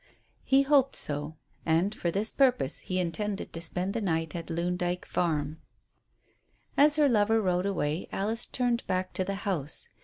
He hoped so; and, for this purpose, he intended to spend the night at Loon Dyke Farm. As her lover rode away Alice turned back to the house.